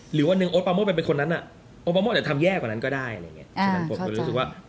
หรือว่าโอ๊ตปาโมดเป็นคนนั้นน่ะโอ๊ตปาโมดจะทำแย่กว่านั้นก็ได้ฉะนั้นผมก็รู้สึกว่า